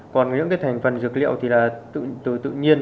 còn những cái thành phần dược liệu thì là từ tự nhiên